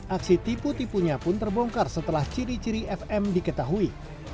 aksi tipu tipunya pun terbongkar setelah ciri ciri fm diketahui